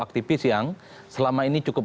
aktivis yang selama ini cukup